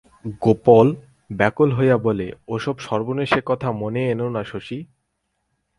গোপল ব্যাকুল হইয়া বলে, ওসব সর্বনেশে কথা মনে এনো না শশী।